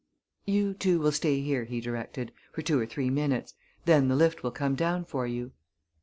"You two will stay here," he directed, "for two or three minutes. Then the lift will come down for you."